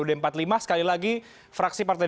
ud empat puluh lima sekali lagi fraksi partai